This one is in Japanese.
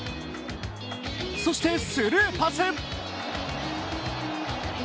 そして、スルーパス。